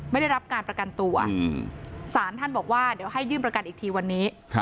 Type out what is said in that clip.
ไม่ได้รับการประกันตัวสารท่านบอกว่าเดี๋ยวให้ยื่นประกันอีกทีวันนี้